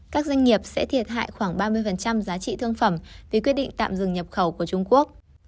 các doanh nghiệp sẽ thiệt hại khoảng ba mươi giá trị thương phẩm vì quyết định tạm dừng nhập khẩu của trung quốc